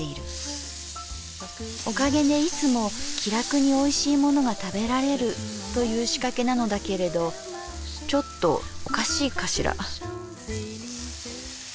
おかげでいつも気楽においしいものが食べられるという仕掛けなのだけれどちょっとおかしいかしら」。